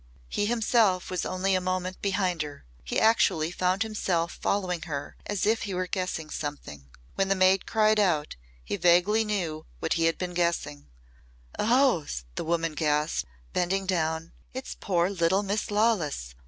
He himself was only a moment behind her. He actually found himself following her as if he were guessing something. When the maid cried out, he vaguely knew what he had been guessing. "Oh!" the woman gasped, bending down. "It's poor little Miss Lawless!